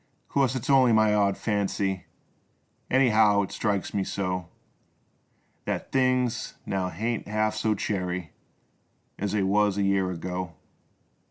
Course its only my odd fancy Anyhow it strikes me so, Thet things now haint half so cheery As they was a year ago.